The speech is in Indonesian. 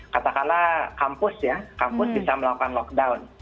katakanlah kampus ya kampus bisa melakukan lockdown